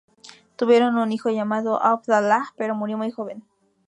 Tuvieron un hijo llamado Abd-Allah, pero murió muy joven.